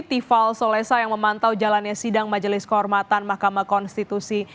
tiffal solesa yang memantau jalannya sidang majelis kehormatan mahkamah konstitusi